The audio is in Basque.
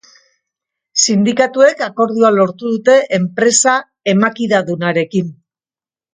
Sindikatuek akordioa lortu dute enpresa emakidadunarekin.